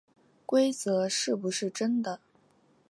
规则是不是真的